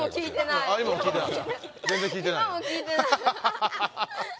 今も聞いてない。